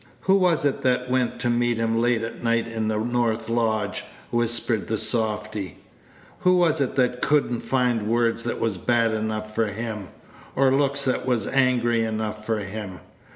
"Who was it that went to meet him late at night in the north lodge?" whispered the softy. "Who was it that could n't find words that was bad enough for him, or looks that was angry enough for him?